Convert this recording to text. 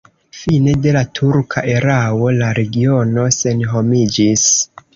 Fine de la turka erao la regiono senhomiĝis.